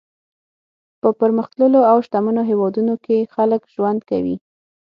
په پرمختللو او شتمنو هېوادونو کې خلک ژوند کوي.